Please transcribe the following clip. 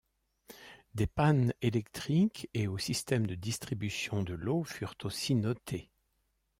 Des pannes électriques et au système de distribution de l'eau furent aussi notées.